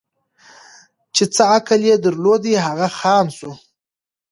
چي څه عقل یې درلودی هغه خام سو